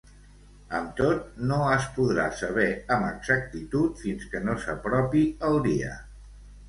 Amb tot, no es podrà saber amb exactitud fins que no s'apropi el dia.